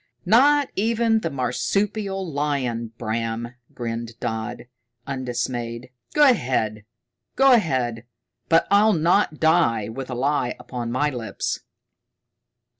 "Not even the marsupial lion, Bram," grinned Dodd, undismayed. "Go ahead, go ahead, but I'll not die with a lie upon my lips!"